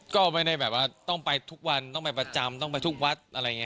ก็ไม่ได้เป็นแบบว่าต้องไปทุกวันต้องไปประจำต้องไปทุกวัฒน์